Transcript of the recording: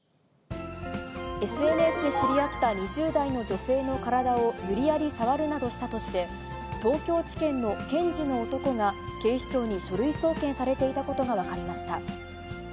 ＳＮＳで知り合った２０代の女性の体を無理やり触るなどしたとして、東京地検の検事の男が警視庁に書類送検されていたことが分かりました。